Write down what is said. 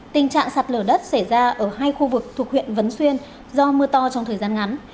tình trạng sạt lở đất xảy ra ở hai khu vực thuộc huyện vấn xuyên do mưa to trong thời gian ngắn